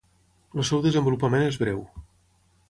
El seu desenvolupament és breu.